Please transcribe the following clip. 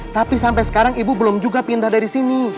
tapi sampai sekarang ibu belum juga pindah dari sini